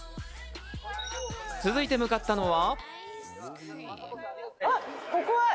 続いて向かったのは。